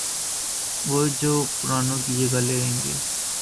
وہ جو پرانوں کی جگہ لیں گے۔